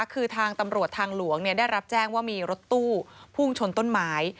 คือทางตำรวจทางหลวงได้รับแจ้งว่ามีรถตู้พุ่งชนต้นไม้